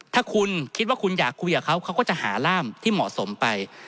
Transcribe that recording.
ถ้าคุณคิดว่าคุณอยากคุยกับเขาเขาก็จะหาร่ามที่เหมาะสมไป